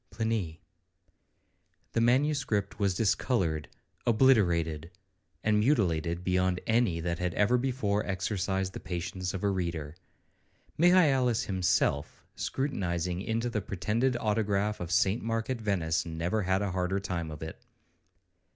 PLINY The manuscript was discoloured, obliterated, and mutilated beyond any that had ever before exercised the patience of a reader. Michaelis himself, scrutinizing into the pretended autograph of St Mark at Venice, never had a harder time of it.